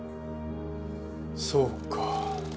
そうか。